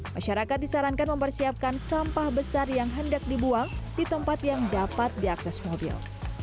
masyarakat disarankan mempersiapkan sampah besar yang hendak dibuang di tempat yang dapat diakses mobil